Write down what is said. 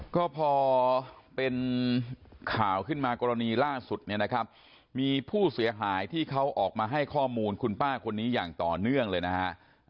ก็พอเป็นข่าวขึ้นมากรณีล่าสุดเนี่ยนะครับมีผู้เสียหายที่เขาออกมาให้ข้อมูลคุณป้าคนนี้อย่างต่อเนื่องเลยนะฮะ